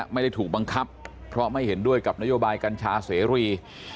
ไม่ได้ถูกบังคับเพราะไม่เห็นด้วยกับนโยบายกัญชาเสรี